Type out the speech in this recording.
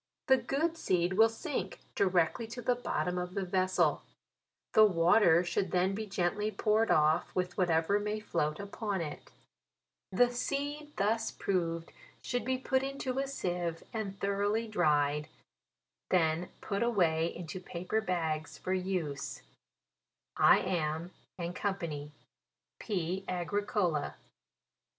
The good seed will sink directly to the bot tom of the vessel. The water should then be gently poured off, with whatever may float upon it. The seed thus proved should be put into a seive, and thoroughly dried, then put away into paper bags, for use. I am. fyc. P. AGRICOLA.